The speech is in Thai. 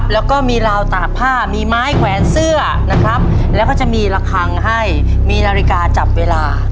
แล้วก็มีราวตากผ้ามีไม้แขวนเสื้อนะครับแล้วก็จะมีระคังให้มีนาฬิกาจับเวลา